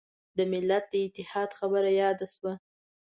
د ملت د اتحاد خبره یاده شوه.